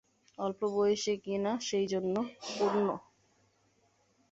অল্প বয়স কিনা সেইজন্যে– পূর্ণ।